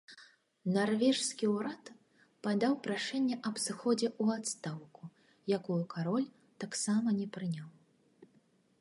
Нарвежскі ўрад падаў прашэнне аб сыходзе ў адстаўку, якую кароль таксама не прыняў.